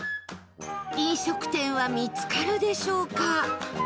飲食店は見つかるでしょうか？